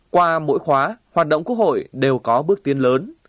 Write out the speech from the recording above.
qua mỗi khóa hoạt động quốc hội đều có bước tiến lớn